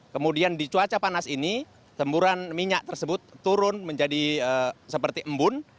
kemudian di cuaca panas ini semburan minyak tersebut turun menjadi seperti embun